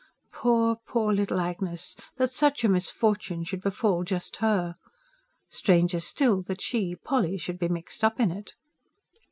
Poor, poor little Agnes! That such a misfortune should befall just her! Stranger still that she, Polly, should be mixed up in it.